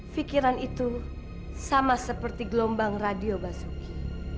pikiran itu sama seperti gelombang radio basuki